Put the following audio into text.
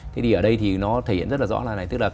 thế thì ở đây thì nó thể hiện rất là rõ là